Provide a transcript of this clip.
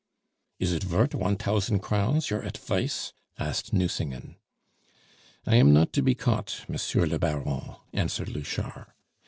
"Is it vort one tousand crowns your atvice?" asked Nucingen. "I am not to be caught, Monsieur le Baron," answered Louchard.